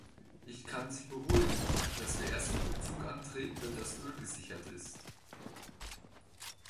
Ich kann Sie beruhigen, dass wir erst den Rückzug antreten, wenn das Öl gesichert ist.